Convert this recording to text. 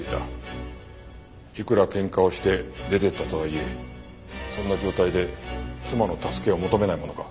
いくら喧嘩をして出ていったとはいえそんな状態で妻の助けを求めないものか？